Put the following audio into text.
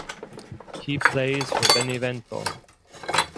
He plays for Benevento.